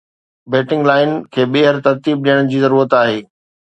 batting line کي ٻيهر ترتيب ڏيڻ جي ضرورت آهي